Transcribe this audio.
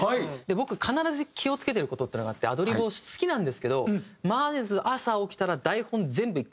僕必ず気を付けてる事っていうのがあってアドリブを好きなんですけどまず朝起きたら台本全部１回読むんですよ。